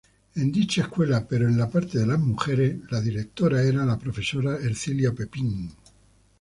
En dicha escuela, pero en la de mujeres era directora la profesora Ercilia Pepín.